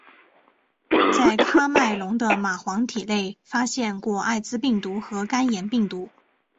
在喀麦隆的蚂蟥体内发现过艾滋病毒和肝炎病毒。